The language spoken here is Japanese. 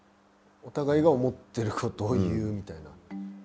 お互いが思ってることを言うみたいな。